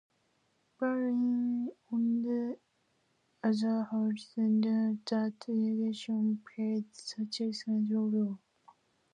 Bailyn, on the other hand, denies that religion played such a critical role.